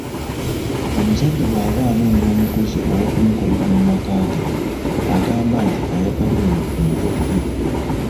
Omuzadde bwaba anoonya omukozi ow'okumukolera mu maka ge agamba nti ayagala oyo omujagujagu.